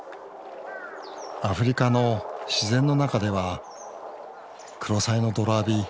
アフリカの自然の中ではクロサイの泥浴び